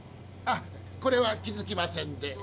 あっこれは気付きませんで。